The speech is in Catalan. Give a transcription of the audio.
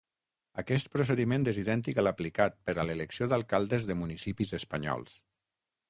Aquest procediment és idèntic a l'aplicat per a l'elecció d'alcaldes de municipis espanyols.